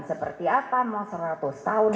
seperti apa memang seratus tahun